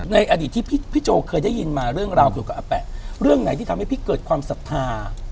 ในอดีตที่พี่โจเคยได้ยินมาเรื่องราวเกี่ยวกับอาแปะเรื่องไหนที่ทำให้พี่เกิดความศรัทธา